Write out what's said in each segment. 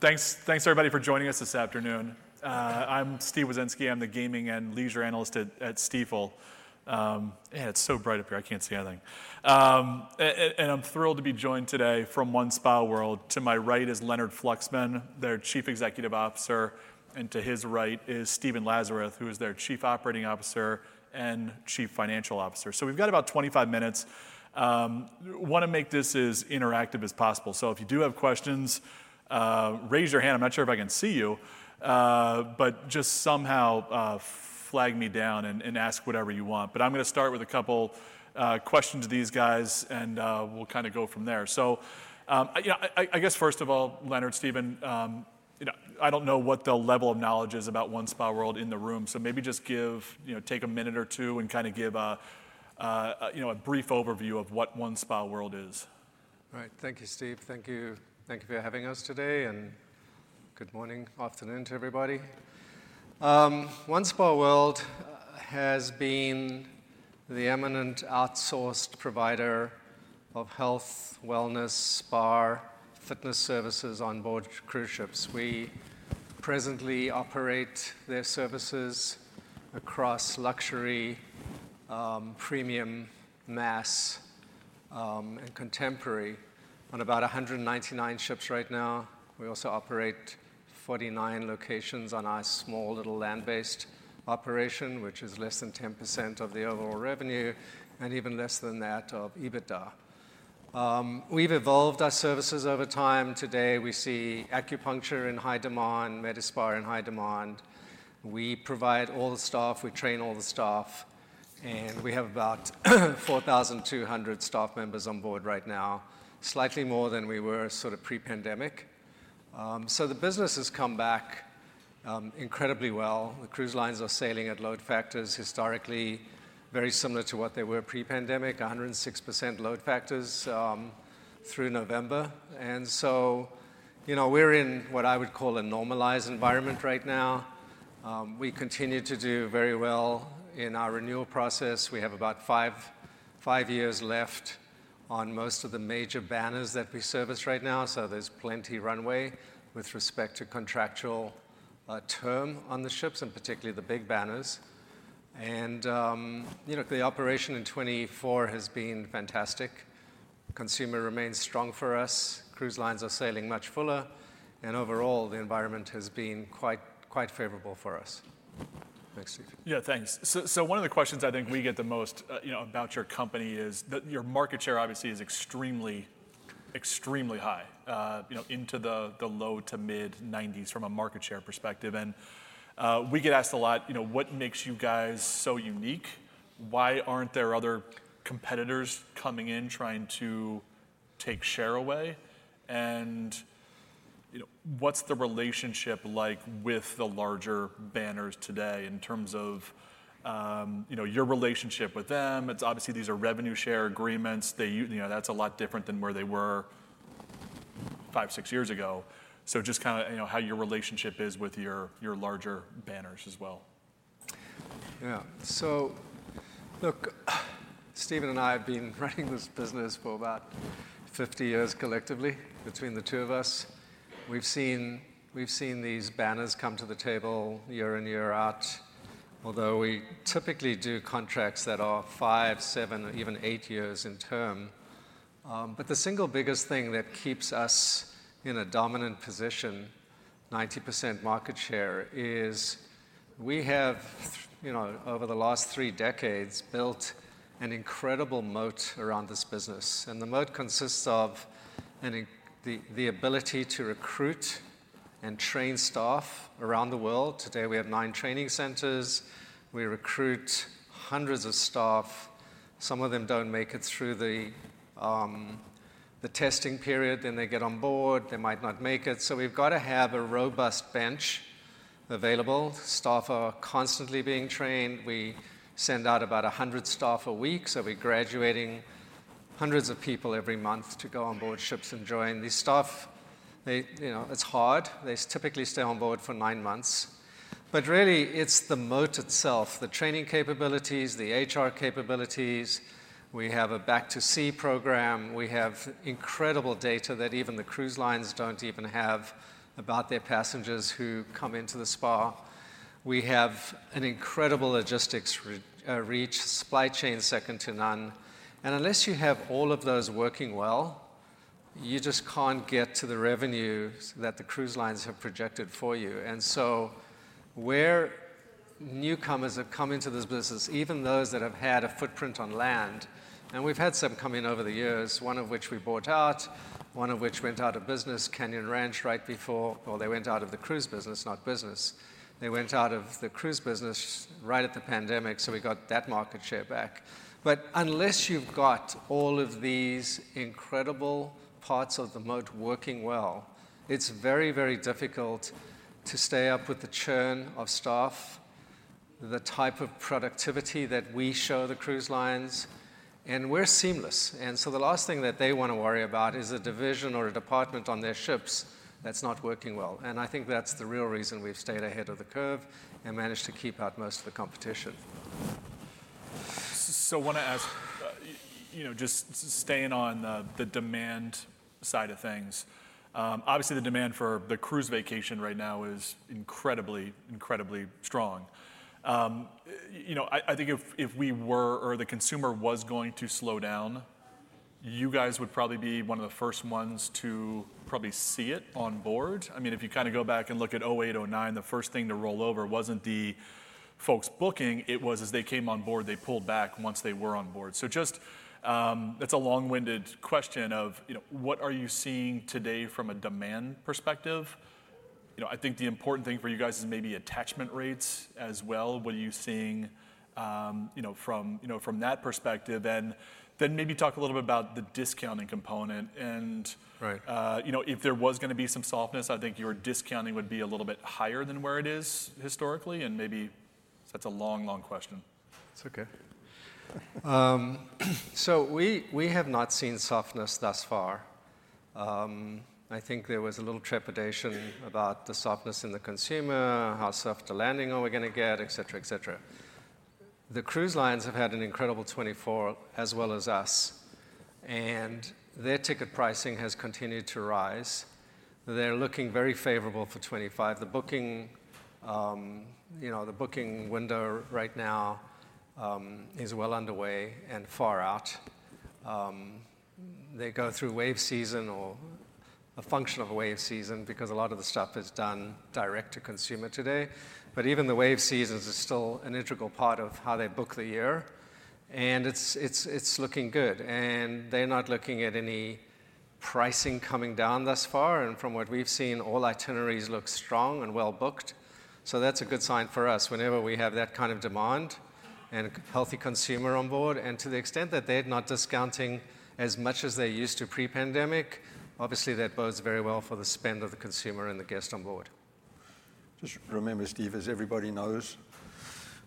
Thanks, thanks everybody for joining us this afternoon. I'm Steve Wieczynski. I'm the Gaming and Leisure Analyst at Stifel. It's so bright up here. I can't see anything, and I'm thrilled to be joined today from OneSpaWorld. To my right is Leonard Fluxman, their Chief Executive Officer. And to his right is Stephen Lazarus, who is their Chief Operating Officer and Chief Financial Officer, so we've got about 25 minutes. I want to make this as interactive as possible, so if you do have questions, raise your hand. I'm not sure if I can see you, but just somehow flag me down and ask whatever you want, but I'm going to start with a couple of questions to these guys, and we'll kind of go from there, so I guess, first of all, Leonard, Stephen, I don't know what the level of knowledge is about OneSpaWorld in the room. So maybe just give or take a minute or two and kind of give a brief overview of what OneSpaWorld is. Right. Thank you, Steve. Thank you for having us today, and good morning, afternoon to everybody. OneSpaWorld has been the eminent outsourced provider of health, wellness, spa, fitness services onboard cruise ships. We presently operate their services across luxury, premium, mass, and contemporary on about 199 ships right now. We also operate 49 locations on our small little land-based operation, which is less than 10% of the overall revenue and even less than that of EBITDA. We've evolved our services over time. Today, we see acupuncture in high demand, medi-spa in high demand. We provide all the staff. We train all the staff, and we have about 4,200 staff members on board right now, slightly more than we were sort of pre-pandemic so the business has come back incredibly well. The cruise lines are sailing at load factors historically very similar to what they were pre-pandemic, 106% load factors through November, and so we're in what I would call a normalized environment right now. We continue to do very well in our renewal process. We have about five years left on most of the major banners that we service right now, so there's plenty of runway with respect to contractual term on the ships and particularly the big banners, and the operation in 2024 has been fantastic. The consumer remains strong for us. Cruise lines are sailing much fuller, and overall, the environment has been quite favorable for us. Thanks, Steve. Yeah, thanks. So one of the questions I think we get the most about your company is that your market share obviously is extremely, extremely high into the low-to-mid 90s% from a market share perspective. And we get asked a lot, what makes you guys so unique? Why aren't there other competitors coming in trying to take share away? And what's the relationship like with the larger banners today in terms of your relationship with them? Obviously, these are revenue share agreements. That's a lot different than where they were five, six years ago. So just kind of how your relationship is with your larger banners as well. Yeah. So look, Stephen and I have been running this business for about 50 years collectively between the two of us. We've seen these banners come to the table year in, year out, although we typically do contracts that are five, seven, even eight years in term. But the single biggest thing that keeps us in a dominant position, 90% market share, is we have, over the last three decades, built an incredible moat around this business. And the moat consists of the ability to recruit and train staff around the world. Today, we have nine training centers. We recruit hundreds of staff. Some of them don't make it through the testing period. Then they get on board. They might not make it. So we've got to have a robust bench available. Staff are constantly being trained. We send out about 100 staff a week. We're graduating hundreds of people every month to go on board ships and join. These staff, it's hard. They typically stay on board for nine months. Really, it's the moat itself, the training capabilities, the HR capabilities. We have a Back-to-Sea program. We have incredible data that even the cruise lines don't even have about their passengers who come into the spa. We have an incredible logistics reach, supply chain second to none. Unless you have all of those working well, you just can't get to the revenue that the cruise lines have projected for you. And so, where newcomers have come into this business, even those that have had a footprint on land, and we've had some come in over the years, one of which we bought out, one of which went out of business, Canyon Ranch right before. Well, they went out of the cruise business, not business. They went out of the cruise business right at the pandemic. So we got that market share back. But unless you've got all of these incredible parts of the moat working well, it's very, very difficult to stay up with the churn of staff, the type of productivity that we show the cruise lines. And we're seamless. And so the last thing that they want to worry about is a division or a department on their ships that's not working well. I think that's the real reason we've stayed ahead of the curve and managed to keep out most of the competition. I want to ask, just staying on the demand side of things, obviously the demand for the cruise vacation right now is incredibly, incredibly strong. I think if we were or the consumer was going to slow down, you guys would probably be one of the first ones to probably see it on board. I mean, if you kind of go back and look at 2008, 2009, the first thing to roll over wasn't the folks booking. It was as they came on board, they pulled back once they were on board. That's a long-winded question of what are you seeing today from a demand perspective. I think the important thing for you guys is maybe attachment rates as well. What are you seeing from that perspective? And then maybe talk a little bit about the discounting component. And if there was going to be some softness, I think your discounting would be a little bit higher than where it is historically. And maybe that's a long, long question. It's okay, so we have not seen softness thus far. I think there was a little trepidation about the softness in the consumer, how soft the landing are we going to get, et cetera, et cetera. The cruise lines have had an incredible 2024 as well as us, and their ticket pricing has continued to rise. They're looking very favorable for 2025. The booking window right now is well underway and far out. They go through wave season or a function of wave season because a lot of the stuff is done direct to consumer today. But even the wave season is still an integral part of how they book the year, and it's looking good. They're not looking at any pricing coming down thus far, and from what we've seen, all itineraries look strong and well booked. That's a good sign for us. Whenever we have that kind of demand and healthy consumer on board, and to the extent that they're not discounting as much as they used to pre-pandemic, obviously that bodes very well for the spend of the consumer and the guest on board. Just remember, Steve, as everybody knows,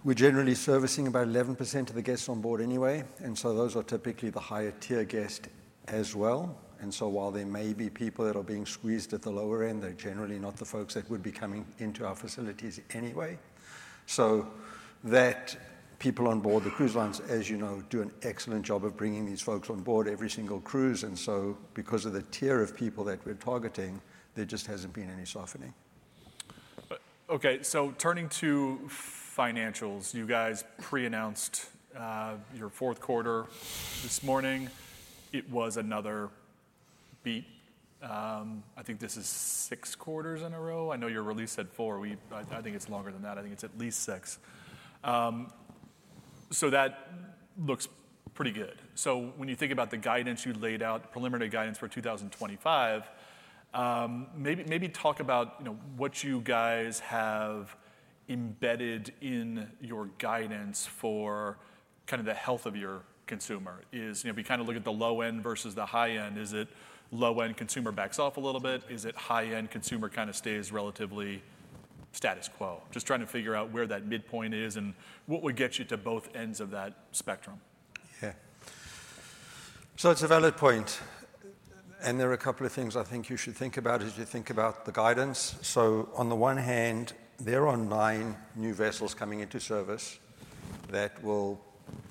we're generally servicing about 11% of the guests on board anyway, and so those are typically the higher tier guests as well, and so while there may be people that are being squeezed at the lower end, they're generally not the folks that would be coming into our facilities anyway, so the people on board, the cruise lines, as you know, do an excellent job of bringing these folks on board every single cruise, and so because of the tier of people that we're targeting, there just hasn't been any softening. Okay. So turning to financials, you guys pre-announced your fourth quarter this morning. It was another beat. I think this is six quarters in a row. I know your release said four. I think it's longer than that. I think it's at least six. So that looks pretty good. So when you think about the guidance you laid out, preliminary guidance for 2025, maybe talk about what you guys have embedded in your guidance for kind of the health of your consumer. If we kind of look at the low end versus the high end, is it low end consumer backs off a little bit? Is it high end consumer kind of stays relatively status quo? Just trying to figure out where that midpoint is and what would get you to both ends of that spectrum. Yeah, so it's a valid point, and there are a couple of things I think you should think about as you think about the guidance, so on the one hand, there are nine new vessels coming into service that will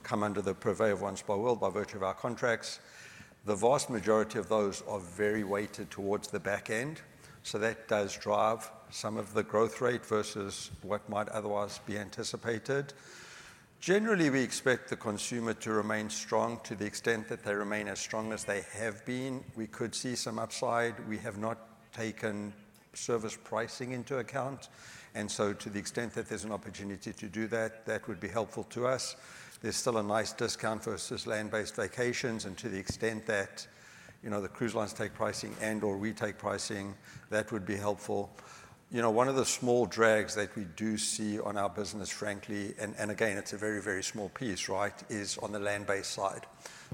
come under the purview of OneSpaWorld by virtue of our contracts. The vast majority of those are very weighted towards the back end, so that does drive some of the growth rate versus what might otherwise be anticipated. Generally, we expect the consumer to remain strong to the extent that they remain as strong as they have been. We could see some upside. We have not taken service pricing into account, and so to the extent that there's an opportunity to do that, that would be helpful to us. There's still a nice discount versus land-based vacations. And to the extent that the cruise lines take pricing and/or we take pricing, that would be helpful. One of the small drags that we do see on our business, frankly, and again, it's a very, very small piece, right, is on the land-based side.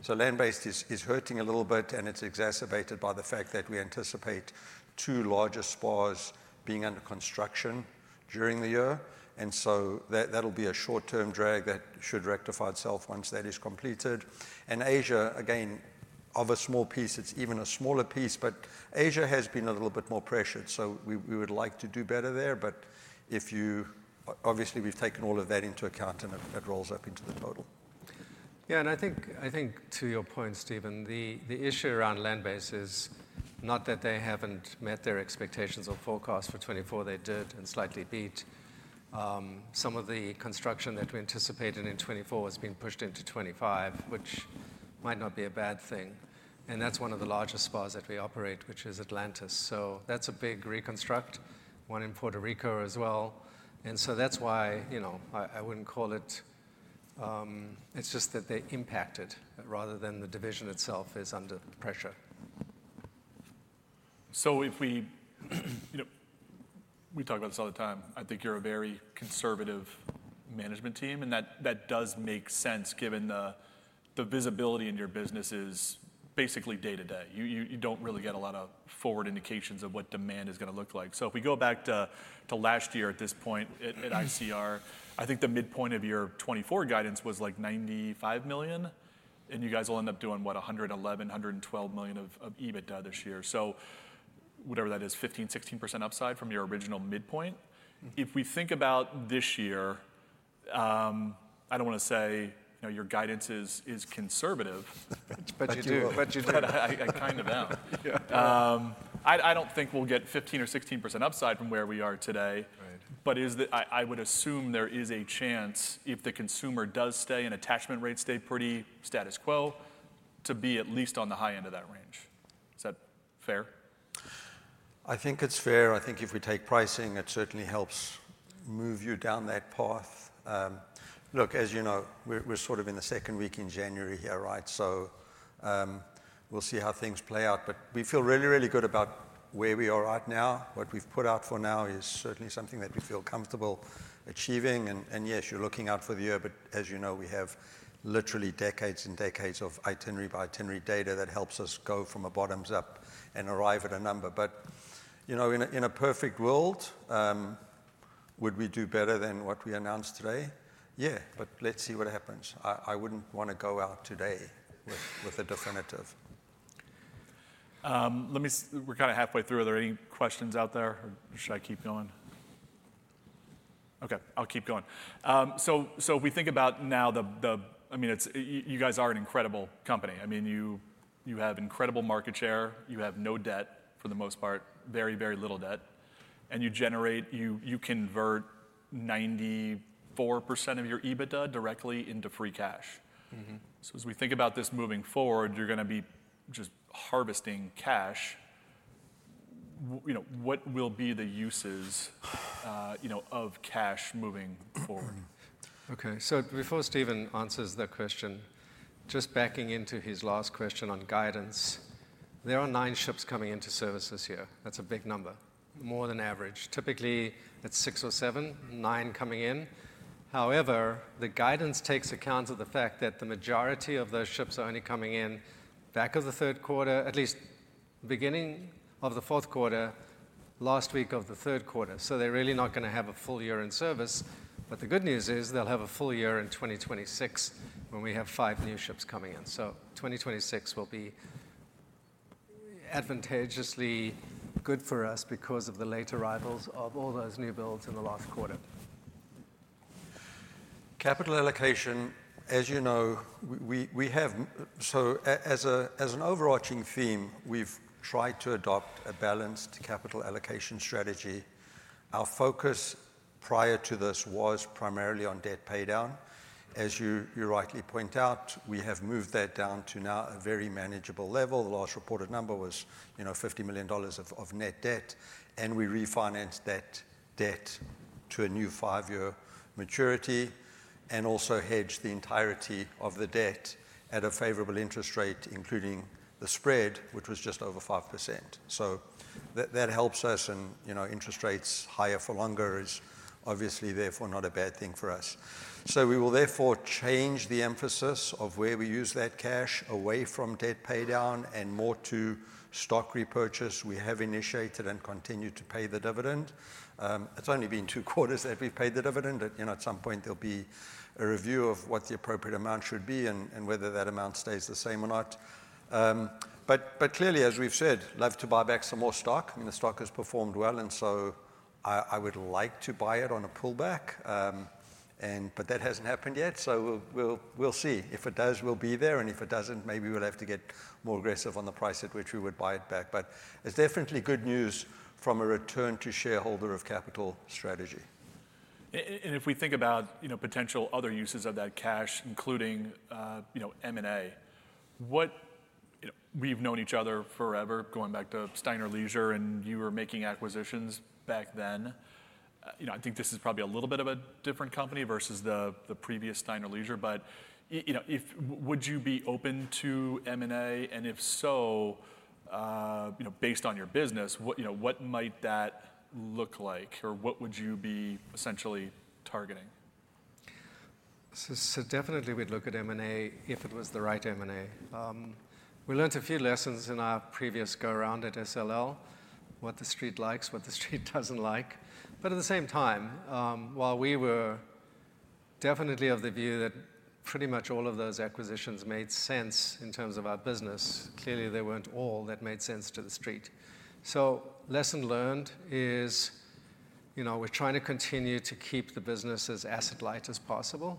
So land-based is hurting a little bit. And it's exacerbated by the fact that we anticipate two larger spas being under construction during the year. And so that'll be a short-term drag that should rectify itself once that is completed. And Asia, again, of a small piece, it's even a smaller piece. But Asia has been a little bit more pressured. So we would like to do better there. But obviously, we've taken all of that into account and it rolls up into the total. Yeah. And I think to your point, Stephen, the issue around land-based is not that they haven't met their expectations or forecast for 2024. They did and slightly beat. Some of the construction that we anticipated in 2024 has been pushed into 2025, which might not be a bad thing. And that's one of the largest spas that we operate, which is Atlantis. So that's a big reconstruction, one in Puerto Rico as well. And so that's why I wouldn't call it. It's just that they're impacted rather than the division itself is under pressure. So we talk about this all the time. I think you're a very conservative management team. And that does make sense given the visibility in your business is basically day to day. You don't really get a lot of forward indications of what demand is going to look like. So if we go back to last year at this point at ICR, I think the midpoint of your 2024 guidance was like $95 million. And you guys will end up doing what, $111 million-$112 million of EBITDA this year. So whatever that is, 15%-16% upside from your original midpoint. If we think about this year, I don't want to say your guidance is conservative. But you do. I kind of am. I don't think we'll get 15% or 16% upside from where we are today. But I would assume there is a chance if the consumer does stay and attachment rates stay pretty status quo to be at least on the high end of that range. Is that fair? I think it's fair. I think if we take pricing, it certainly helps move you down that path. Look, as you know, we're sort of in the second week in January here, right? So we'll see how things play out. But we feel really, really good about where we are right now. What we've put out for now is certainly something that we feel comfortable achieving. And yes, you're looking out for the year. But as you know, we have literally decades and decades of itinerary by itinerary data that helps us go from a bottoms up and arrive at a number. But in a perfect world, would we do better than what we announced today? Yeah. But let's see what happens. I wouldn't want to go out today with a definitive. We're kind of halfway through. Are there any questions out there, or should I keep going? OK. I'll keep going. So if we think about now, I mean, you guys are an incredible company. I mean, you have incredible market share. You have no debt for the most part, very, very little debt. And you generate, you convert 94% of your EBITDA directly into free cash. So as we think about this moving forward, you're going to be just harvesting cash. What will be the uses of cash moving forward? OK. So before Stephen answers that question, just backing into his last question on guidance, there are nine ships coming into service here. That's a big number, more than average. Typically, it's six or seven, nine coming in. However, the guidance takes account of the fact that the majority of those ships are only coming in back of the third quarter, at least beginning of the fourth quarter, last week of the third quarter. So they're really not going to have a full year in service. But the good news is they'll have a full year in 2026 when we have five new ships coming in. So 2026 will be advantageously good for us because of the late arrivals of all those new builds in the last quarter. Capital allocation, as you know, we have. So as an overarching theme, we've tried to adopt a balanced capital allocation strategy. Our focus prior to this was primarily on debt paydown. As you rightly point out, we have moved that down to now a very manageable level. The last reported number was $50 million of net debt. We refinanced that debt to a new five-year maturity and also hedged the entirety of the debt at a favorable interest rate, including the spread, which was just over 5%. That helps us. Interest rates higher for longer is obviously, therefore, not a bad thing for us. We will therefore change the emphasis of where we use that cash away from debt paydown and more to stock repurchase. We have initiated and continue to pay the dividend. It's only been two quarters that we've paid the dividend. At some point, there'll be a review of what the appropriate amount should be and whether that amount stays the same or not, but clearly, as we've said, love to buy back some more stock. I mean, the stock has performed well, and so I would like to buy it on a pullback, but that hasn't happened yet, so we'll see. If it does, we'll be there, and if it doesn't, maybe we'll have to get more aggressive on the price at which we would buy it back, but it's definitely good news from a return to shareholder of capital strategy. And if we think about potential other uses of that cash, including M&A, we've known each other forever, going back to Steiner Leisure. And you were making acquisitions back then. I think this is probably a little bit of a different company versus the previous Steiner Leisure. But would you be open to M&A? And if so, based on your business, what might that look like? Or what would you be essentially targeting? So definitely, we'd look at M&A if it was the right M&A. We learned a few lessons in our previous go-around at SLL, what the street likes, what the street doesn't like. But at the same time, while we were definitely of the view that pretty much all of those acquisitions made sense in terms of our business, clearly, they weren't all that made sense to the street. So lesson learned is we're trying to continue to keep the business as asset-light as possible.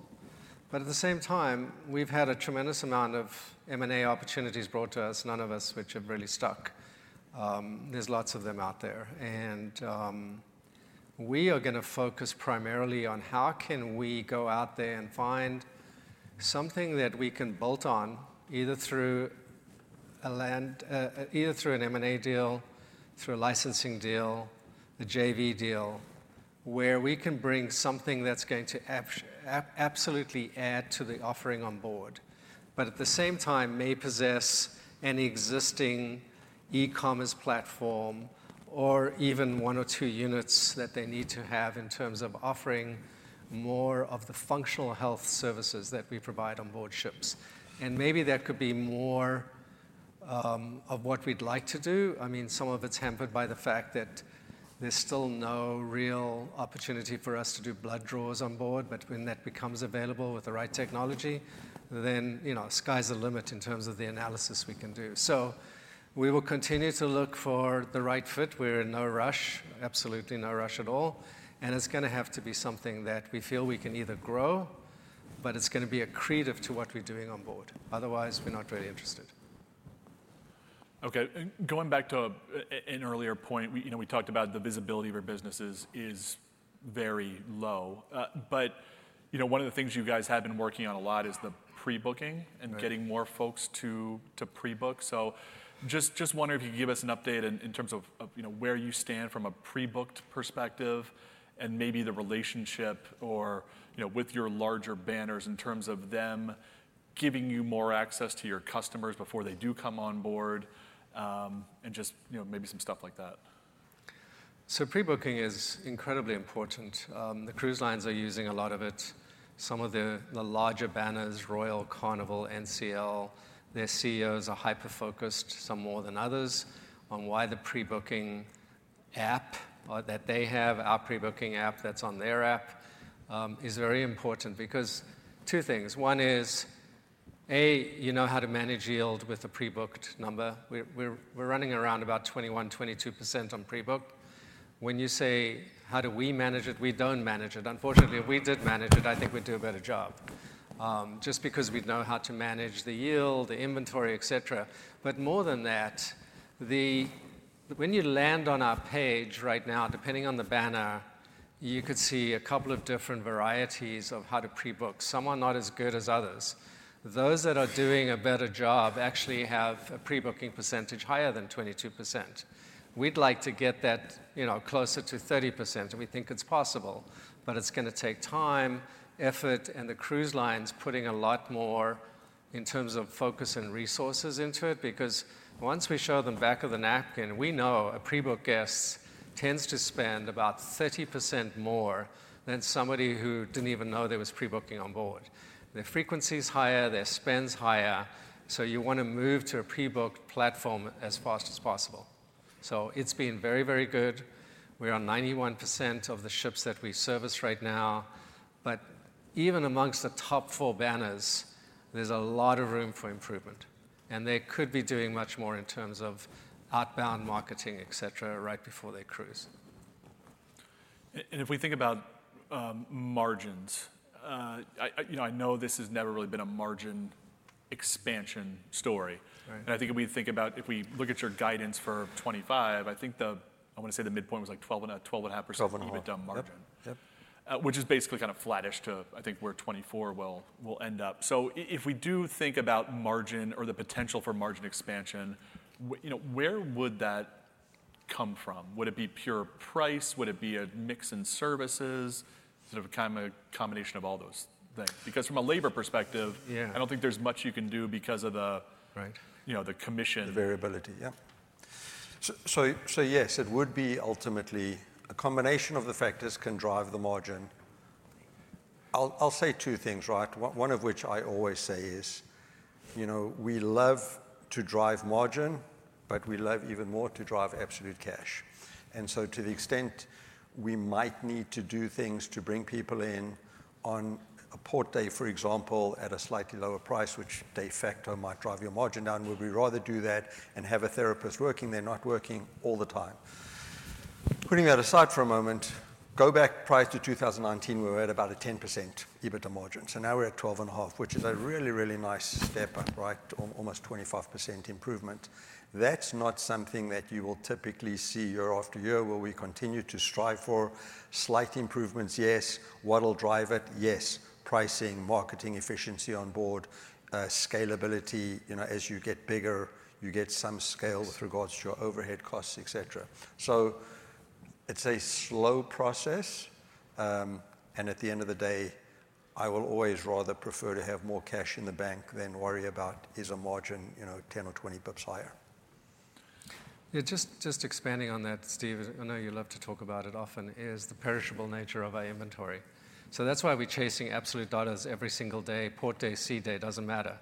But at the same time, we've had a tremendous amount of M&A opportunities brought to us, none of us which have really stuck. There's lots of them out there. And we are going to focus primarily on how we can go out there and find something that we can bolt on either through an M&A deal, through a licensing deal, or a JV deal, where we can bring something that's going to absolutely add to the offering on board, but at the same time may possess an existing e-commerce platform or even one or two units that they need to have in terms of offering more of the functional health services that we provide on board ships. And maybe that could be more of what we'd like to do. I mean, some of it's hampered by the fact that there's still no real opportunity for us to do blood draws on board. But when that becomes available with the right technology, then the sky's the limit in terms of the analysis we can do. So we will continue to look for the right fit. We're in no rush, absolutely no rush at all. And it's going to have to be something that we feel we can either grow, but it's going to be accretive to what we're doing on board. Otherwise, we're not really interested. Okay. Going back to an earlier point, we talked about the visibility of your businesses is very low. But one of the things you guys have been working on a lot is the pre-booking and getting more folks to pre-book. So just wondering if you could give us an update in terms of where you stand from a pre-booked perspective and maybe the relationship with your larger banners in terms of them giving you more access to your customers before they do come on board and just maybe some stuff like that. Pre-booking is incredibly important. The cruise lines are using a lot of it. Some of the larger banners, Royal, Carnival, NCL, their CEOs are hyper-focused some more than others on why the pre-booking app that they have, our pre-booking app that's on their app, is very important because two things. One is, A, you know how to manage yield with a pre-booked number. We're running around about 21%, 22% on pre-book. When you say, how do we manage it? We don't manage it. Unfortunately, if we did manage it, I think we'd do a better job just because we'd know how to manage the yield, the inventory, et cetera. But more than that, when you land on our page right now, depending on the banner, you could see a couple of different varieties of how to pre-book. Some are not as good as others. Those that are doing a better job actually have a pre-booking percentage higher than 22%. We'd like to get that closer to 30%. And we think it's possible. But it's going to take time, effort, and the cruise lines putting a lot more in terms of focus and resources into it. Because once we show them back of the napkin, we know a pre-booked guest tends to spend about 30% more than somebody who didn't even know there was pre-booking on board. Their frequency is higher. Their spend's higher. So you want to move to a pre-booked platform as fast as possible. So it's been very, very good. We're on 91% of the ships that we service right now. But even amongst the top four banners, there's a lot of room for improvement. They could be doing much more in terms of outbound marketing, et cetera, right before they cruise. If we think about margins, I know this has never really been a margin expansion story. I think if we think about if we look at your guidance for 2025, I think I want to say the midpoint was like 12%-12.5% EBITDA margin, which is basically kind of flattish to, I think, where 2024 will end up. If we do think about margin or the potential for margin expansion, where would that come from? Would it be pure price? Would it be a mix in services? Sort of kind of a combination of all those things. Because from a labor perspective, I don't think there's much you can do because of the commission. The variability, yeah. So yes, it would be ultimately a combination of the factors can drive the margin. I'll say two things, right? One of which I always say is we love to drive margin, but we love even more to drive absolute cash. And so to the extent we might need to do things to bring people in on a port day, for example, at a slightly lower price, which de facto might drive your margin down, we would rather do that and have a therapist working there, not working all the time. Putting that aside for a moment, go back, prior to 2019, we were at about a 10% EBITDA margin. So now we're at 12.5%, which is a really, really nice step up, right? Almost 25% improvement. That's not something that you will typically see year after year where we continue to strive for slight improvements, yes. What will drive it? Yes, pricing, marketing efficiency on board, scalability. As you get bigger, you get some scale with regards to your overhead costs, et cetera. So it's a slow process. And at the end of the day, I will always rather prefer to have more cash in the bank than worry about is a margin 10 or 20 basis points higher. Yeah, just expanding on that, Steve. I know you love to talk about it often: the perishable nature of our inventory. So that's why we're chasing absolute dollars every single day, port day, sea day. Doesn't matter.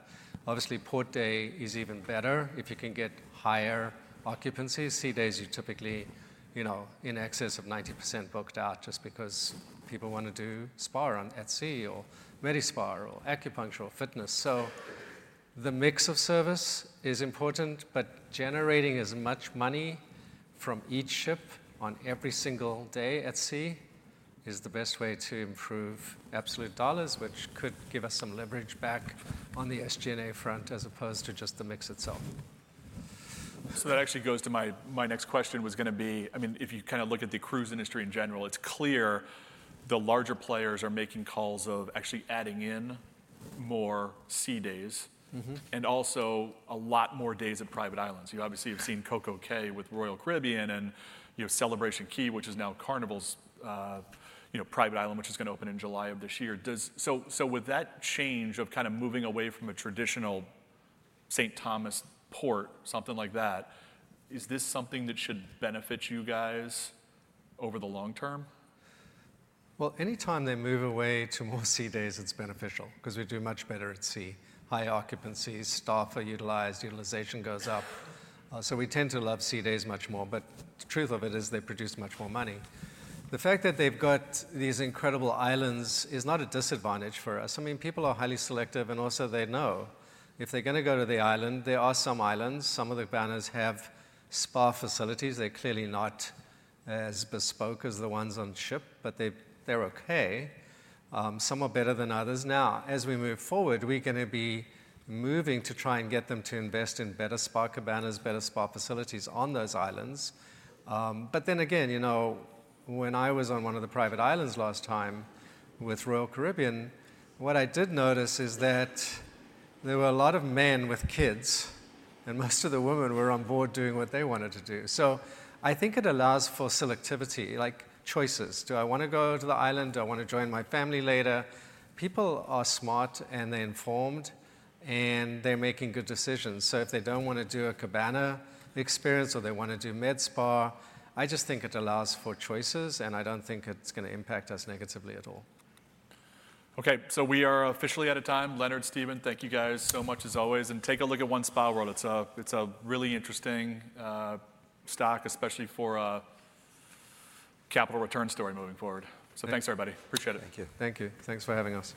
Obviously, port day is even better if you can get higher occupancy. Sea days, you typically in excess of 90% booked out just because people want to do spa at sea or medi-spa or acupuncture or fitness. So the mix of service is important. But generating as much money from each ship on every single day at sea is the best way to improve absolute dollars, which could give us some leverage back on the SG&A front as opposed to just the mix itself. So that actually goes to my next question, which was going to be, I mean, if you kind of look at the cruise industry in general, it's clear the larger players are making calls of actually adding in more sea days and also a lot more days at private islands. You obviously have seen CocoCay with Royal Caribbean and Celebration Key, which is now Carnival's private island, which is going to open in July of this year, so with that change of kind of moving away from a traditional St. Thomas port, something like that, is this something that should benefit you guys over the long term? Any time they move away to more sea days, it's beneficial because we do much better at sea. Higher occupancy, staff are utilized, utilization goes up. So we tend to love sea days much more. But the truth of it is they produce much more money. The fact that they've got these incredible islands is not a disadvantage for us. I mean, people are highly selective. And also, they know if they're going to go to the island, there are some islands. Some of the banners have spa facilities. They're clearly not as bespoke as the ones on ship, but they're OK. Some are better than others. Now, as we move forward, we're going to be moving to try and get them to invest in better spa cabanas, better spa facilities on those islands. But then again, when I was on one of the private islands last time with Royal Caribbean, what I did notice is that there were a lot of men with kids. And most of the women were on board doing what they wanted to do. So I think it allows for selectivity, like choices. Do I want to go to the island? Do I want to join my family later? People are smart and they're informed. And they're making good decisions. So if they don't want to do a cabana experience or they want to do medi-spa, I just think it allows for choices. And I don't think it's going to impact us negatively at all. OK, so we are officially out of time. Leonard, Steven, thank you guys so much as always, and take a look at OneSpaWorld. It's a really interesting stock, especially for capital return story moving forward, so thanks, everybody. Appreciate it. Thank you. Thank you. Thanks for having us.